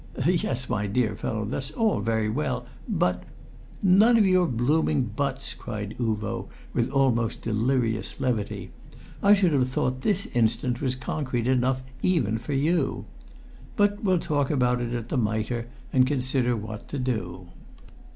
"Yes, my dear fellow, that's all very well. But " "None of your blooming 'buts'!" cried Uvo, with almost delirious levity. "I should have thought this instance was concrete enough even for you. But we'll talk about it at the Mitre and consider what to do."